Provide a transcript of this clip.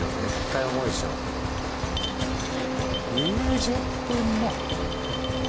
１０分も。